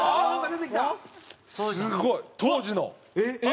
すごい！当時の。